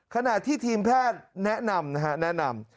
ขณะที่ทีมแพทย์แนะนำนะฮะแนะนำ